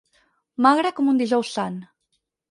Magre com un Dijous Sant.